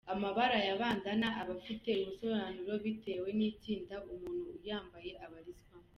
Amabara ya Bandana aba afite ubusobanuro bitewe n’itsinda umuntu uyambaye abarizwamo.